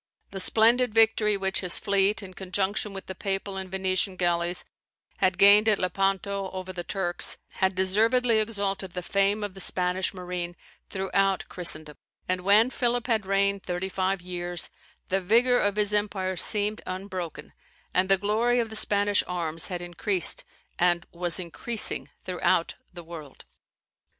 The splendid victory which his fleet, in conjunction with the Papal and Venetian galleys, had gained at Lepanto over the Turks, had deservedly exalted the fame of the Spanish marine throughout Christendom; and when Philip had reigned thirty five years, the vigour of his empire seemed unbroken, and the glory of the Spanish arms had increased, and was increasing throughout the world.